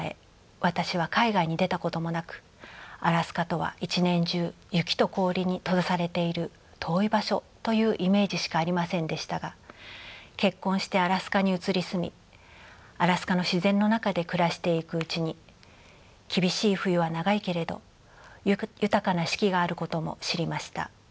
私は海外に出たこともなくアラスカとは一年中雪と氷に閉ざされている遠い場所というイメージしかありませんでしたが結婚してアラスカに移り住みアラスカの自然の中で暮らしていくうちに厳しい冬は長いけれど豊かな四季があることも知りました。